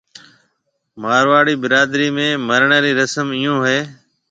مارواڙي برادري ۾ مرڻيَ رِي رسم ايون ھيََََ